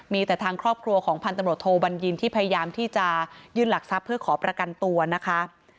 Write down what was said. มีแต่ทางครอบครัวของพันตำรวจโทบัญญินที่พยายามที่จะยื่นหลักทรัพย์เพื่อขอประกันตัวนะคะ